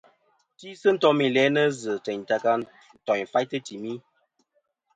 Tisi ntom i lænɨ zɨ teyn ta ka ntoỳnfaytɨ timi.